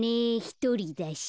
ひとりだし。